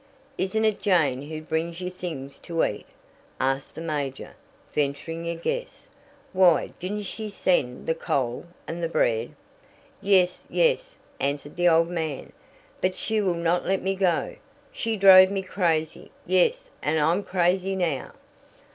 Isn't it Jane who brings you things to eat?" asked the major, venturing a guess. "Why, didn't she send the coal and the bread?" "Yes, yes," answered the old man, "but she will not let me go. She drove me crazy. Yes, and I'm crazy now."